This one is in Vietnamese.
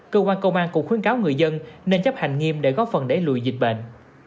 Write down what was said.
cơ quan công an cũng khuyến cáo người dân nên chấp hành nghiêm để góp phần đẩy lùi dịch bệnh